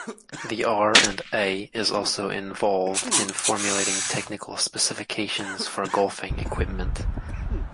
The R and A is also involved in formulating technical specifications for golfing equipment.